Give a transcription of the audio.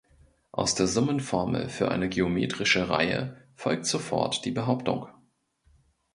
Aus der Summenformel für eine geometrische Reihe folgt sofort die Behauptung.